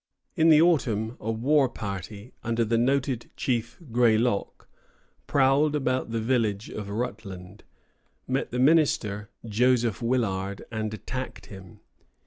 In the autumn a war party, under the noted chief Grey Lock, prowled about the village of Rutland, met the minister, Joseph Willard, and attacked him.